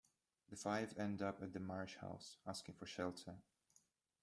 The five end up at the Marsh house, asking for shelter.